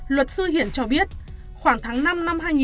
luật sư hiển cho biết khoảng tháng năm năm hai nghìn một mươi ba